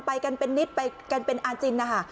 ไปกันเป็นนิติกันเป็นอาร์จินทร์นะฮะ